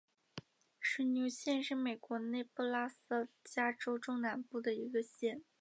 水牛县是美国内布拉斯加州中南部的一个县。